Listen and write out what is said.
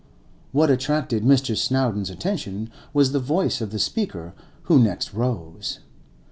What attracted Mr. Snowdon's attention was the voice of the speaker who next rose.